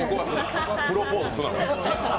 プロポーズすな。